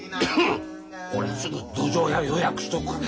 ・俺がすぐどじょう屋予約しとくから。